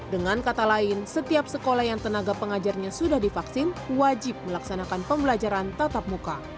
dengan kata lain setiap sekolah yang tenaga pengajarnya sudah divaksin wajib melaksanakan pembelajaran tatap muka